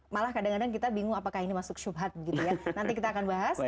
malah kadang kadang kita bingung apakah ini masuk syubhad gitu ya nanti kita akan bahas